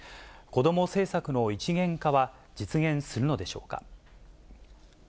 子ども政策の一元化は実現するのでしょうか。